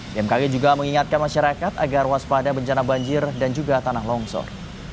bmkg juga mengingatkan masyarakat agar waspada bencana banjir dan juga tanah longsor